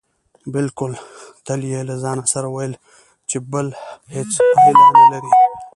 بلکې تل يې له ځانه سره ويل چې بله هېڅ هيله نه لري.